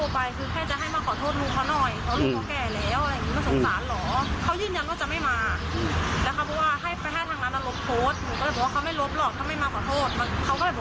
เพราะว่าตอนแรกที่โทรไปคือแค่จะให้มาขอโทษมือเขาหน่อย